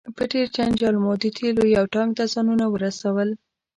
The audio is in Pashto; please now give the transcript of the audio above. په ډیر جنجال مو د تیلو یو ټانک ته ځانونه ورسول.